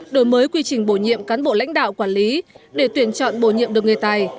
đổi mới quy trình bổ nhiệm cán bộ lãnh đạo quản lý để tuyển chọn bổ nhiệm được người tài